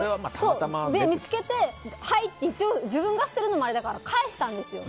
見つけて一応捨てるのもあれだから返したんですよ。